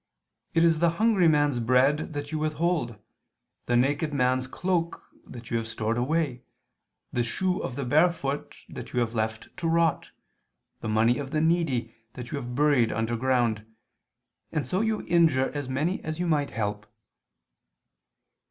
It is the hungry man's bread that you withhold, the naked man's cloak that you have stored away, the shoe of the barefoot that you have left to rot, the money of the needy that you have buried underground: and so you injure as many as you might help."